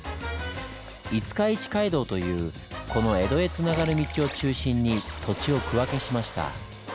五日市街道というこの江戸へつながる道を中心に土地を区分けしました。